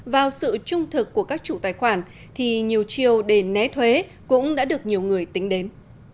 vào sự trung thực của các chủ tài khoản thì nhiều chiều để né thuế cũng đã được nhiều người tính đến